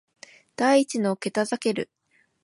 第一の術ザケル